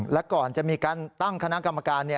และก่อนจะมีการตั้งคณะกรรมการ